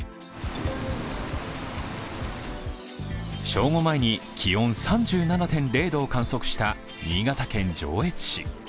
正午前に気温３７．０度を観測した新新潟県上越市。